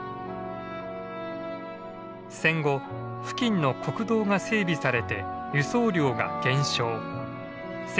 戦後付近の国道が整備されて輸送量が減少。